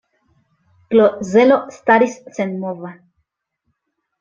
Klozelo staris senmova.